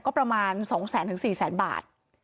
ก็ประมาณ๒แสนถึง๔แสนบาท